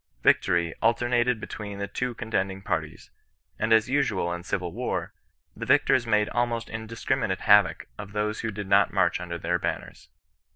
Victory alternated be tween the two contending parties, and as usual in civil war, the victors made almost indiscriminate havoc of those who did not march under their banners.